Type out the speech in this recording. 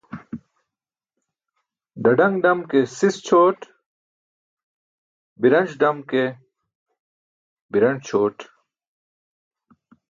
Ḍaḍaṅ ḍam ke sis ćʰoot, biranc̣ dam ke biranc̣ ćʰoot